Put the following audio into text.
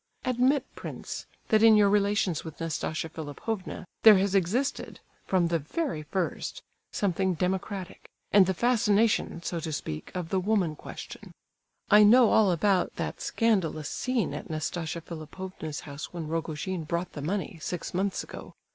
Admit, prince, that in your relations with Nastasia Philipovna there has existed, from the very first, something democratic, and the fascination, so to speak, of the 'woman question'? I know all about that scandalous scene at Nastasia Philipovna's house when Rogojin brought the money, six months ago.